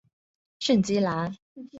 圣基兰。